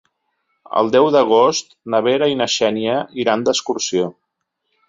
El deu d'agost na Vera i na Xènia iran d'excursió.